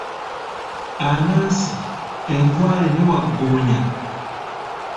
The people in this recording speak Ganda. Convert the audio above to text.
Anansi, enkwale ne wagggoonya